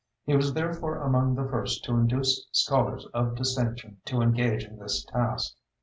He was therefore among the first to induce scholars of distinction to engage in this task.